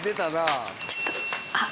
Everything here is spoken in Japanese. ちょっとあっ。